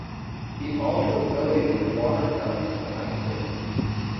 He also donated the water fountain to the High court.